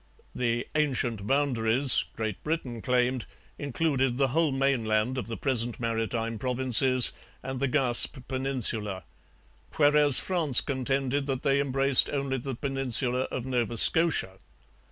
The 'ancient boundaries,' Great Britain claimed, included the whole mainland of the present maritime provinces and the Gaspe peninsula; whereas France contended that they embraced only the peninsula of Nova Scotia.